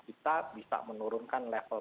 kita bisa menurunkan level